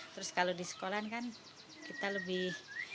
terus kalau di sekolahan kan kita lebih